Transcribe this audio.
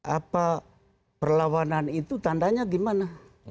apa perlawanan itu tandanya gimana